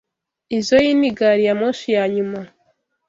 Izoi ni gari ya moshi ya nyuma.